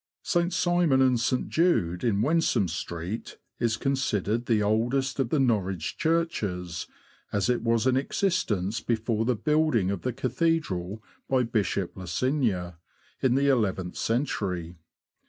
St. Simon and St. Jude, in Wensum Street, is con sidered the oldest of the Norwich Churches, as it was in existence before the building of the Cathedral by Bishop Losigna, in the eleventh century.